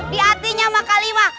di hatinya sama kalimah